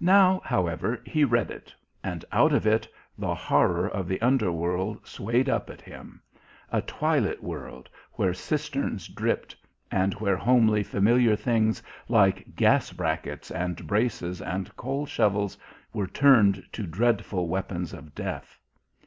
Now, however, he read it. And out of it, the horror of the underworld swayed up at him. A twilit world, where cisterns dripped, and where homely, familiar things like gas brackets and braces and coal shovels were turned to dreadful weapons of death.